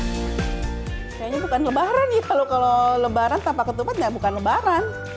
kayaknya bukan lebaran ya kalau kalau lebaran tanpa ketupat ya bukan lebaran